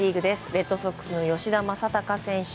レッドソックスの吉田正尚選手